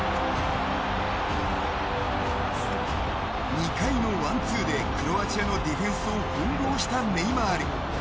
２回のワンツーでクロアチアのディフェンスを翻弄したネイマール。